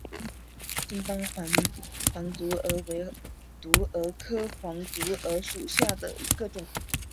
顶斑黄毒蛾为毒蛾科黄毒蛾属下的一个种。